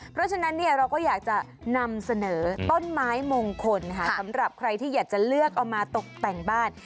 เพราะฉะนั้นเราก็อยากจะนำเสนอต้นไม้มงคลสำหรับใครที่อยากจะเลือกเอามาตกแต่งบ้าน